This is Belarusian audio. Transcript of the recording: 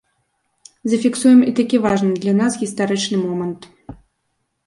Зафіксуем і такі важны для нас гістарычны момант.